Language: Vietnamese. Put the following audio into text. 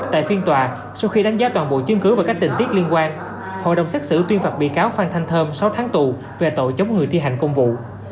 tại phiên tòa sau khi đánh giá toàn bộ chương cứ và các tình tiết liên quan hội đồng xét xử tuyên phạt bị cáo phan thanh thơm sáu tháng tù về tội chống người thi hành công vụ